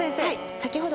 先ほど。